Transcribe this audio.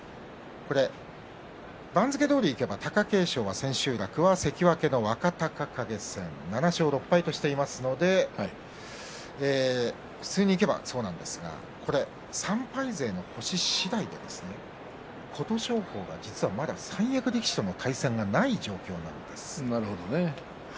番付どおりいけば貴景勝は千秋楽は関脇の若隆景戦。７勝６敗としていますので普通にいけば、そうなんですが３敗勢の星次第で琴勝峰が実は、まだ三役力士との対戦がなるほどね。